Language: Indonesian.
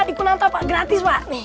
dikunanta pak gratis pak